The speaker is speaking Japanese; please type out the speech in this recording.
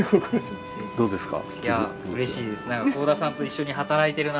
どうですか？